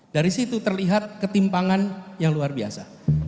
dari situ terlihat ketimpangan yang luar biasa